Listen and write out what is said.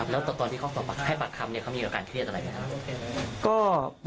แล้วต่อตอนที่เค้าให้บัตรคำเนี่ยเค้ามีความเกิดเรื่องนี้่วงการเครียดอะไรแบบเนี่ยเนี่ยครับ